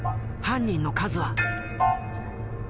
犯人の数は？